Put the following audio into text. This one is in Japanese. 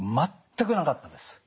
全くなかったです。